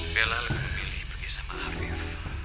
bella lebih memilih pergi sama afif